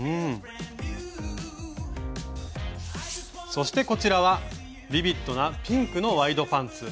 そしてこちらはビビッドなピンクのワイドパンツ。